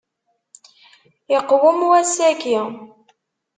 Iqwem wass-aki.